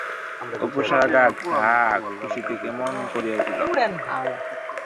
অপুর সারা গা খুশিতে কেমন করিয়া উঠিল।